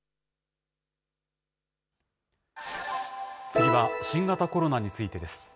次は新型コロナについてです。